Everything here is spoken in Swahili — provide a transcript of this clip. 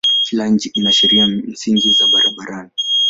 Kila nchi ina sheria msingi za barabarani.